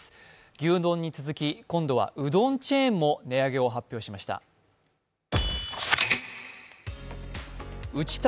牛丼に続き、今度はうどんチェーンも値上げを発表しました。